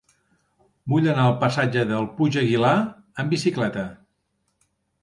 Vull anar al passatge del Puig Aguilar amb bicicleta.